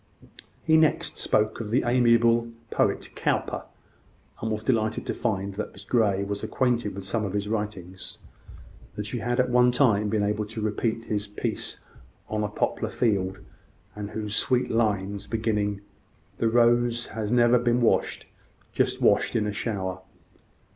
He next spoke of the amiable poet, Cowper, and was delighted to find that Miss Grey was acquainted with some of his writings; that she had at one time been able to repeat his piece on a Poplar Field, and those sweet lines beginning "The rose had been washed, just washed in a shower."